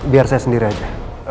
biar saya sendiri aja